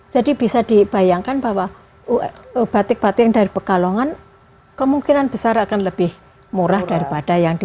jadi bisa dibayangkan bahwa batik batik dari pekalongan kemungkinan besar akan lebih murah daripada yang lain